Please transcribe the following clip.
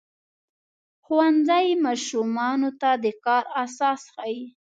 ښوونځی ماشومانو ته د کار اساس ښيي.